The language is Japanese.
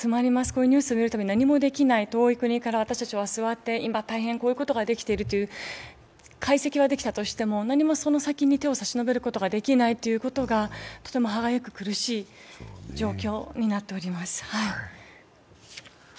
こういうニュースを見るたびに何もできない、遠い国から私たちは座って、解析はできたとしても何もその先に手を差し伸べることができないことがとても歯がゆく苦しい状況になっております。